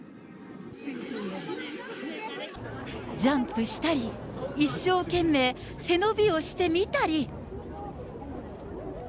ジャンプしたり、一生懸命背伸びをしてみたり。